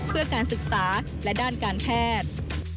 เพื่อการศึกษาและด้านการแพทย์